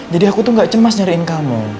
jadi aku tuh gak cemas nyariin kamu